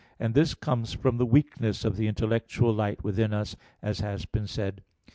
And this comes from the weakness of the intellectual light within us, as has been said (A.